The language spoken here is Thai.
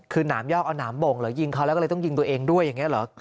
คือหนามยอกเอาหนามบ่งเหรอยิงเขาแล้วก็เลยต้องยิงตัวเองด้วยอย่างนี้เหรอ